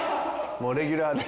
もうレギュラーで。